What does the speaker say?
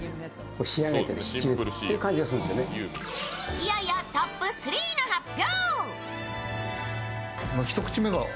いよいよトップ３の発表！